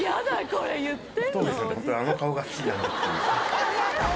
これ言ってんの？